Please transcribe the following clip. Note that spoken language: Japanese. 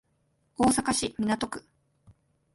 大阪市港区